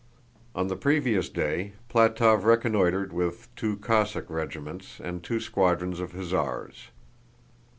On the previous day Plátov reconnoitered with two Cossack regiments and two squadrons of hussars.